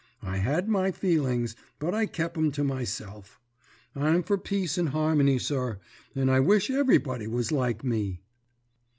I had my feelings, but I kep 'em to myself. I'm for peace and harmony, sir, and I wish everybody was like me.